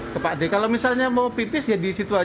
ke pak d kalau misalnya mau pipis ya di situ aja